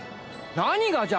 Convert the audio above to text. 何がじゃ。